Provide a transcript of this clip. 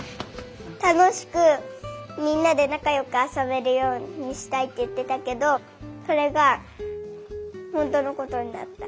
たのしくみんなでなかよくあそべるようにしたいっていってたけどそれがほんとのことになった。